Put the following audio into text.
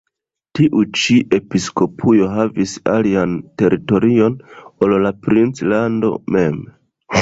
Tiu ĉi episkopujo havis alian teritorion ol la princlando mem.